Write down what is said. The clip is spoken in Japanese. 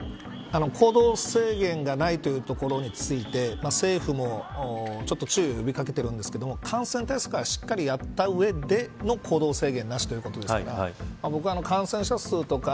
行動制限がないというところについて政府も、ちょっと注意を呼び掛けているんですが感染対策はしっかりやった上での行動制限なしということですから僕は感染者数とか